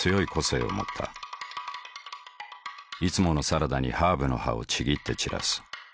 いつものサラダにハーブの葉をちぎって散らす。